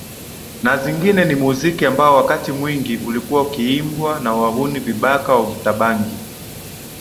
na zingine Ni muziki ambao wakati mwingi ulikuwa ukiimbwa na wahuni vibaka wavuta bangi